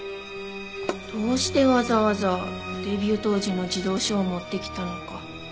どうしてわざわざデビュー当時の児童書を持ってきたのか。